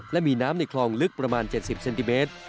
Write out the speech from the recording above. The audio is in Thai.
และมีน้ำในคลองลึกประมาณ๗๐เซนติเมตร